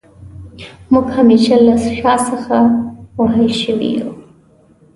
موږ همېشه له شا څخه وهل شوي يو